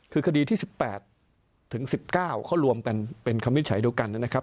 คือคดีที่๑๘ถึง๑๙เขารวมกันเป็นคำวินิจฉัยเดียวกันนะครับ